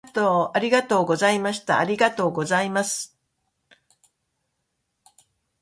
ありがとうございました。ありがとうございます。